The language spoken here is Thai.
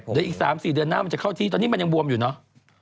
เดี๋ยวอีก๓๔เดือนหน้ามันจะเข้าที่ตอนนี้มันยังบวมอยู่เนอะ